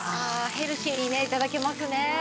ヘルシーにね頂けますね。